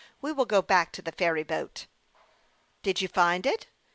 We will go back to the ferry boat." " Did you find it